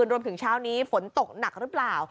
เช้านี้ฝนตกหนักหรือเปล่า